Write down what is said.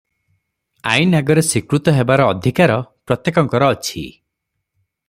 ଆଇନ ଆଗରେ ସ୍ୱୀକୃତ ହେବାର ଅଧିକାର ପ୍ରତ୍ୟେକଙ୍କର ଅଛି ।